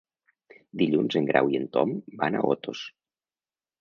Dilluns en Grau i en Tom van a Otos.